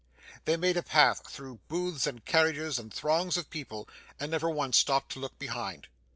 They made a path through booths and carriages and throngs of people, and never once stopped to look behind.